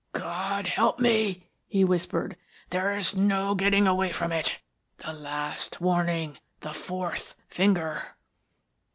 "God help me," he whispered. "There is no getting away from it. The last warning the fourth finger!"